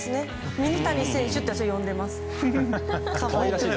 ミニ谷選手って私は呼んでいます。